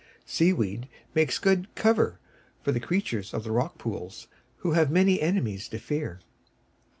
Sea weed makes good "cover" for the creatures of the rock pools, who have many enemies to fear.